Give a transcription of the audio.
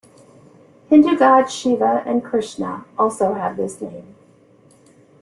Hindu god Shiva and Krishna also have this name.